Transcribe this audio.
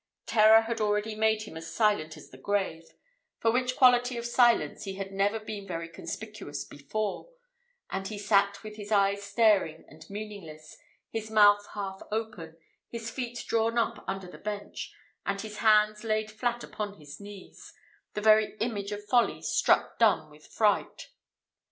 Terror had already made him as silent as the grave for which quality of silence he had never been very conspicuous before and he sat with his eyes staring and meaningless, his mouth half open, his feet drawn up under the bench, and his hands laid flat upon his knees the very image of folly struck dumb with fright.